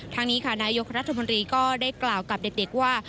ทางนี้ค่ะนายกรัฐมนตรีก็ได้กล่าวกับเด็กว่า